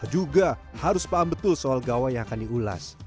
juga harus paham betul soal gawai yang akan diulas